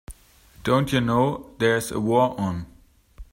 Don't you know there's a war on?